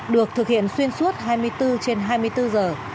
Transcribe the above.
được thực hiện xuyên suốt hai mươi bốn trên hai mươi bốn giờ